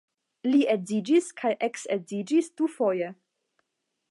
Li edziĝis kaj eksedziĝis dufoje.